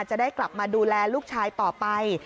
จะได้กลับมาดูแลลูกชายต่อไป